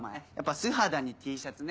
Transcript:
素肌にＴシャツね。